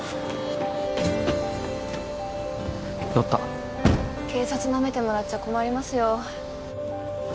乗った警察ナメてもらっちゃ困りますよ